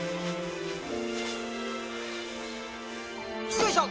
よいしょ！